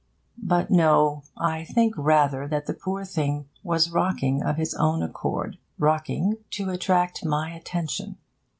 But no, I think rather that the poor thing was rocking of his own accord, rocking to attract my attention.